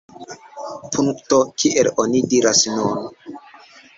Punkto, kiel oni diras nun!